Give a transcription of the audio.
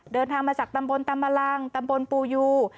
เดินทางมาจากตำบลตำมะลังตำบลปูยู